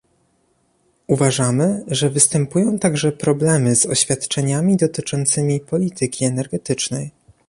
Uważamy, że występują także problemy z oświadczeniami dotyczącymi polityki energetycznej